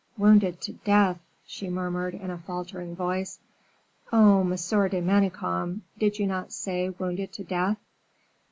"Wounded to death!" she murmured, in a faltering voice, "oh, Monsieur de Manicamp! did you not say, wounded to death?"